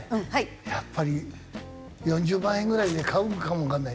やっぱり４０万円ぐらいで買うのかもわからないね。